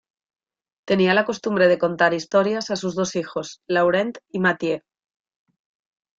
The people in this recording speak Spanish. Tenía la costumbre de contar historias a sus dos hijos, Laurent y Mathieu.